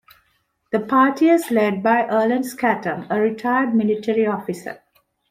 The party is led by Erland Skattem, a retired military officer.